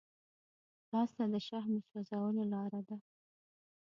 ځغاسته د شحمو سوځولو لاره ده